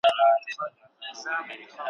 مرګه مه را ځه وختي دی، څو پیالې لا تشومه `